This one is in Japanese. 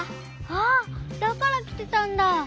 あっだからきてたんだ。